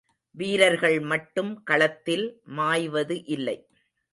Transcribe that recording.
வீரர்கள் மட்டும் களத்தில் மாய்வது இல்லை.